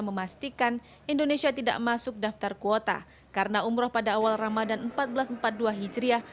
memastikan indonesia tidak masuk daftar kuota karena umroh pada awal ramadan seribu empat ratus empat puluh dua hijriah